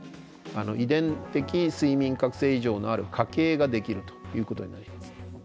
遺伝的睡眠覚醒異常のある家系ができるということになります。